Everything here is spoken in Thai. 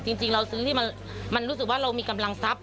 จริงเราซื้อที่มันรู้สึกว่าเรามีกำลังทรัพย